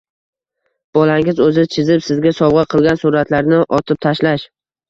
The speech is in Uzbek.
Bolangiz o‘zi chizib, sizga sovg‘a qilgan suratlarini otib tashlash!